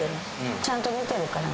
ちゃんと見てるからね。